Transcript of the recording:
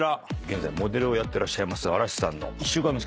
現在モデルをやってらっしゃいます。